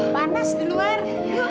panas di luar